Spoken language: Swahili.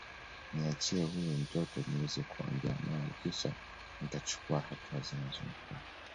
Niachie huyu mtoto niweze kuongea naye kisha nitachukua hatua zinazomfaa